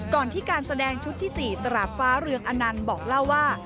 ก่อนที่การแสดงชุดที่๔ตราบฟ้าเรืองอนันต์บอกเล่าว่า